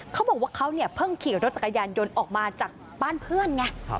เขาบอกว่าเขาเนี่ยเพิ่งขี่รถจักรยานยนต์ออกมาจากบ้านเพื่อนไง